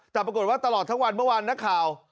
แต่ปรากฏว่าตลอดทั้งวันเมื่อวานนักข่าว